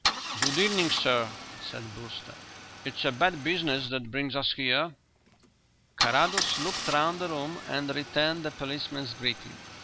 "Good evening, sir," said Brewster. "It's a bad business that brings us here." Carrados "looked" round the room and returned the policeman's greeting.